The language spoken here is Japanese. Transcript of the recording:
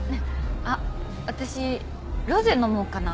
あっ私ロゼ飲もうかな。